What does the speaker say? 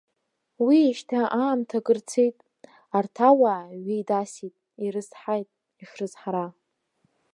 Уиижьҭеи аамҭа акыр цеит, арҭ ауаа ҩеидасит, ирызҳаит ишрызҳара.